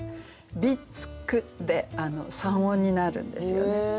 「ビツグ」で三音になるんですよね。